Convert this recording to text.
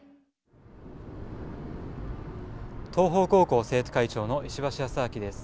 東邦高校生徒会長の石橋穏尭です。